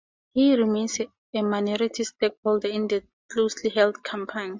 He remains a minority stockholder in the closely held company.